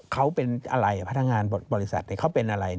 เขาเป็นอะไรพนักงานบริษัทเขาเป็นอะไร